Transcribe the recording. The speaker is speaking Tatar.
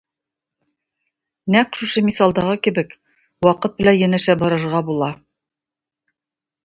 Нәкъ шушы мисалдагы кебек, вакыт белән янәшә барырга була.